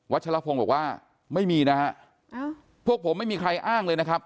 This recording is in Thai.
ชลพงศ์บอกว่าไม่มีนะฮะพวกผมไม่มีใครอ้างเลยนะครับ